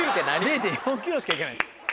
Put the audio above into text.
０．４ｋｍしかいかないです。